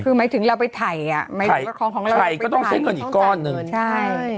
คือไม่ถึงเราไปไถอ่ะไถก็ต้องใช้เงินอีกก้อนนึง